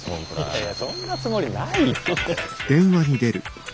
いやいやそんなつもりないって。